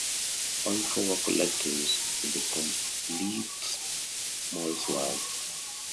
All four were collected in "The Compleet Molesworth".